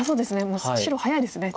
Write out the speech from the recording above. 白早いですね